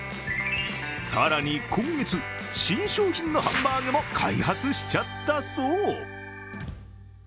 更に今月、新商品のハンバーグも開発しちゃったそう。